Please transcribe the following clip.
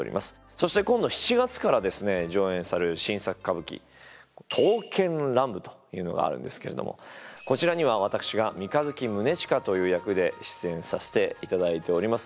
そして今度７月からですね上演される新作歌舞伎「刀剣乱舞」というのがあるんですけれどもこちらには私が三日月宗近という役で出演させていただいております。